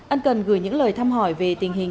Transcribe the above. ân cần gửi những lời thăm hỏi về tình hình